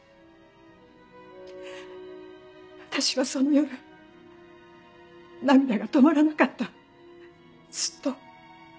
私はその夜涙が止まらなかったずっと。